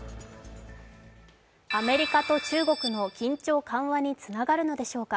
アメリカと中国の緊張緩和につながるのでしょうか。